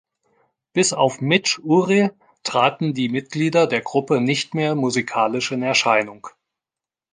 Bis auf Midge Ure traten die Mitglieder der Gruppe nicht mehr musikalisch in Erscheinung.